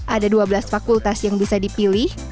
ada dua belas fakultas yang bisa dipilih